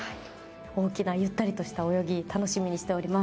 大きなゆったりとした泳ぎ楽しみにしております。